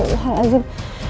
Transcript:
ya allah ya allah